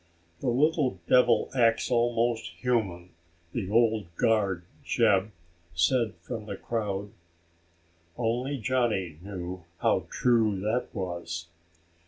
"The little devil acts almost human," the old guard, Jeb, said from the crowd. Only Johnny knew how true that was.